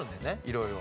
色々。